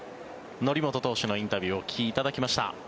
則本投手のインタビューをお聞きいただきました。